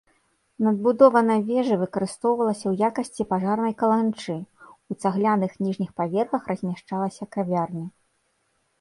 Надбудова на вежы выкарыстоўвалася ў якасці пажарнай каланчы, у цагляных ніжніх паверхах размяшчалася кавярня.